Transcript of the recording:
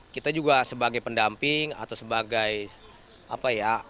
kita juga sebagai pendamping atau sebagai apa ya